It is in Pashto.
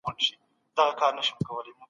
د بانکو اسانتياوو څخه ګټه واخلئ.